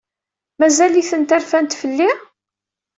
Mazal-itent rfant fell-i?